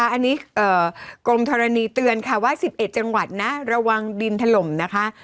อันนี้กรมธรณีเตือนค่ะว่า๑๑จังหวัดนะระวังดินถล่มนะคะ